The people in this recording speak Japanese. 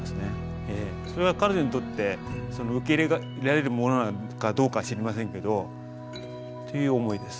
それが彼女にとって受け入れられるものなのかどうかは知りませんけどという思いです。